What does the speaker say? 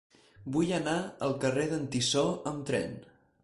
Vull anar al carrer d'en Tissó amb tren.